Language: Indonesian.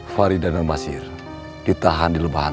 farid dan al masir ditahan di lebahan